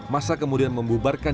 masa kemudian membubarkan